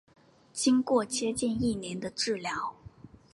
经过接近一年的治疗